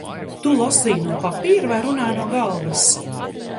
Tu lasīji no papīra vai runāji no galvas?